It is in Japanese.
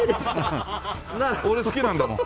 俺好きなんだもん。